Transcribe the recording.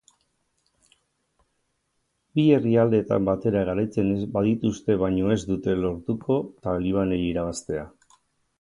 Bi herrialdeetan batera garaitzen badituzte baino ez dute lortuko talibanei irabaztea.